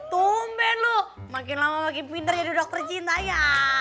tumben loh makin lama makin pinter jadi dokter cinta ya